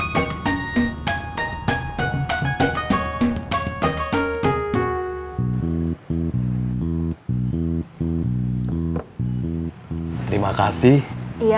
sampai jumpa lagi